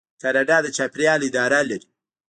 کاناډا د چاپیریال اداره لري.